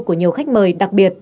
của nhiều khách mời đặc biệt